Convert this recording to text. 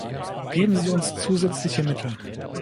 Geben sie uns zusätzliche Mittel.